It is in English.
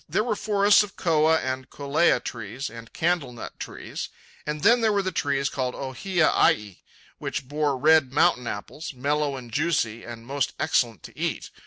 There were forests of koa and kolea trees, and candlenut trees; and then there were the trees called ohia ai, which bore red mountain apples, mellow and juicy and most excellent to eat.